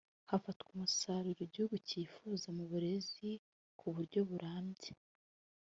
hafatwa umusaruro igihugu cyifuza mu burezi ku buryo burambye